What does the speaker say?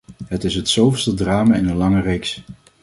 Het is het zoveelste drama in een lange reeks.